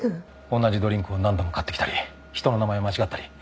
同じドリンクを何度も買ってきたり人の名前を間違ったり。